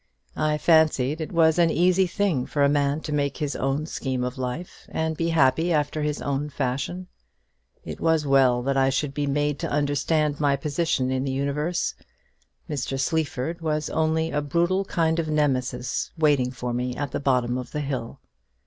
"I fancied it was an easy thing for a man to make his own scheme of life, and be happy after his own fashion. It was well that I should be made to understand my position in the universe. Mr. Sleaford was only a brutal kind of Nemesis waiting for me at the bottom of the hill.